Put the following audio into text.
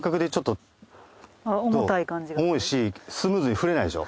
重いしスムーズに振れないでしょ？